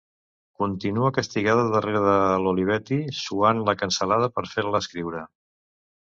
Continua castigada darrere de l'Olivetti, suant la cansalada per fer-la escriure.